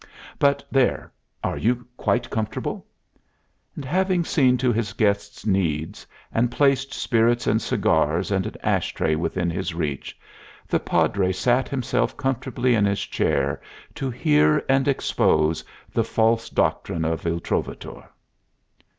But there! Are you quite comfortable?" And having seen to his guest's needs, and placed spirits and cigars and an ash tray within his reach, the Padre sat himself comfortably in his chair to hear and expose the false doctrine of Il Trovatore.